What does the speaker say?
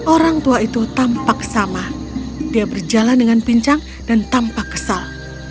orang tua itu tampak sama dia berjalan dengan pincang dan tampak kesal